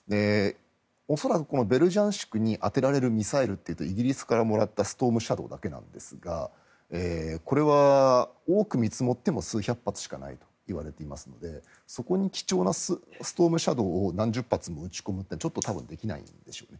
恐らく、このベルジャンシクに当てられるミサイルというとイギリスからもらったストームシャドーだけなんですがこれは多く見積もっても数百発しかないといわれていますのでそこに貴重なストームシャドーを何十発も撃ち込むってちょっとできないでしょう。